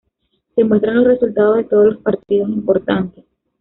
Se muestran los resultados de todos los partidos importantes.